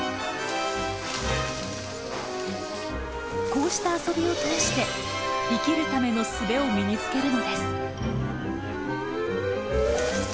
こうした遊びを通して生きるためのすべを身につけるのです。